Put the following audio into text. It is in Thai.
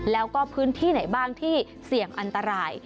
แล้วก็พื้นที่ไหนบ้างที่เสี่ยงอันตราย